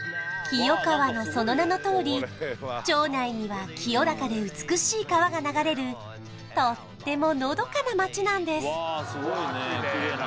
清川のその名のとおり町内には清らかで美しい川が流れるとってものどかな町なんです